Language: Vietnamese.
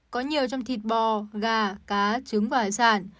có nhiều trong thịt bò gà cá trứng và hải sản